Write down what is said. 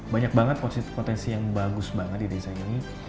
banyak banget potensi yang bagus banget di desa ini